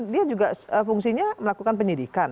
dia juga fungsinya melakukan penyidikan